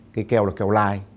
cây keo là keo lai